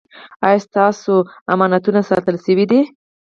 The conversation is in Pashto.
ایا ستاسو امانتونه ساتل شوي دي؟